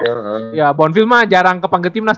kalau bonville mah jarang kepanggil timnas